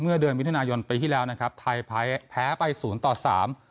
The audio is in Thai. เดือนมิถุนายนปีที่แล้วนะครับไทยแพ้แพ้ไปศูนย์ต่อสาม